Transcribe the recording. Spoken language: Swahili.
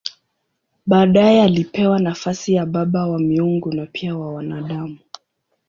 Baadaye alipewa nafasi ya baba wa miungu na pia wa wanadamu.